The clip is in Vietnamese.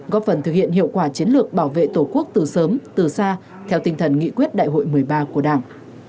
góp phần thực hiện hiệu quả chiến lược bảo vệ tổ quốc từ sớm từ xa theo tinh thần nghị quyết đại hội một mươi ba của đảng